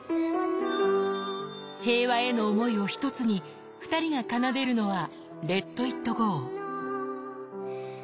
平和への思いを１つに、２人が奏でるのは『ＬｅｔＩｔＧｏ』。